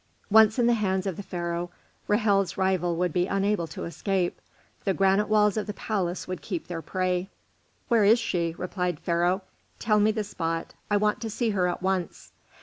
Once in the hands of the Pharaoh, Ra'hel's rival would be unable to escape; the granite walls of the palace would keep their prey. "Where is she?" said Pharaoh; "tell me the spot. I want to see her at once."